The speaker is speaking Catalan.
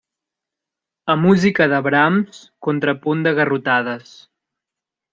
A música de brams, contrapunt de garrotades.